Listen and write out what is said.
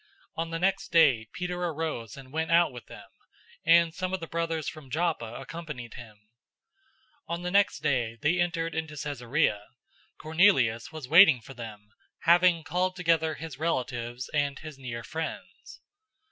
On the next day Peter arose and went out with them, and some of the brothers from Joppa accompanied him. 010:024 On the next day they entered into Caesarea. Cornelius was waiting for them, having called together his relatives and his near friends.